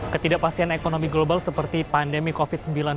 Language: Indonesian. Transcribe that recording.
ketidakpastian ekonomi global seperti pandemi covid sembilan belas